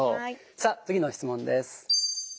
さあ次の質問です。